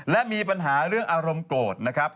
และมีปัญหาเรื่องอารมณ์โกรธนะครับ